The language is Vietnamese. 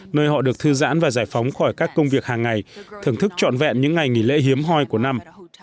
nơi họ được thư giãn và giải phóng khỏi các công việc hàng ngày thưởng thức trọn vẹn những ngày nghỉ lễ hiếm hoi của năm